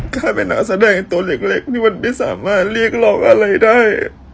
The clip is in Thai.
ข้าเป็นหน้าแสดงตัวเล็กเล็กที่มันไม่สามารถเรียกรองอะไรได้